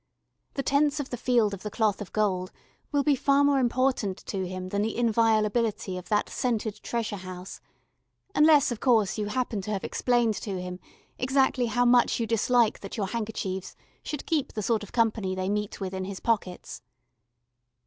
The tents of the Field of the Cloth of Gold will be far more important to him than the inviolability of that scented treasure house unless, of course, you happen to have explained to him exactly how much you dislike that your handkerchiefs should keep the sort of company they meet with in his pockets.